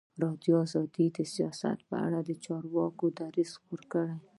ازادي راډیو د سیاست لپاره د چارواکو دریځ خپور کړی.